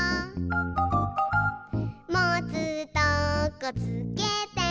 「もつとこつけて」